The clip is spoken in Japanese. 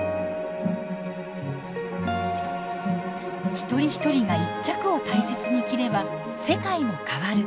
一人一人が一着を大切に着れば世界も変わる。